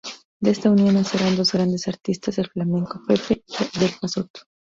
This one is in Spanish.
De esta unión nacerían dos grandes artistas del flamenco Pepe y Adelfa Soto.